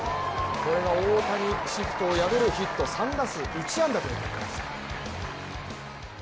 これが大谷シフトを破るヒット、３打数１安打。